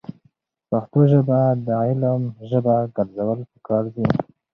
پښتو ژبه د علم ژبه ګرځول پکار دي.